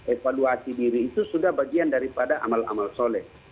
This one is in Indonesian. evaluasi diri itu sudah bagian daripada amal amal soleh